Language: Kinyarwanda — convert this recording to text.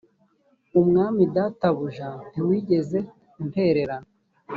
umwami databuja ntiwigeze untererana